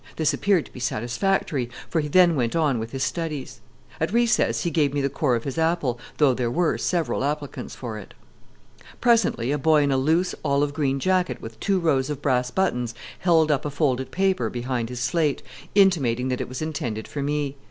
This appeared to be satisfactory, for he then went on with his studies. At recess he gave me the core of his apple, though there were several applicants for it. Presently a boy in a loose olive green jacket with two rows of brass buttons held up a folded paper behind his slate, intimating that it was intended for me.